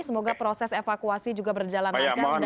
semoga proses evakuasi juga berjalan lancar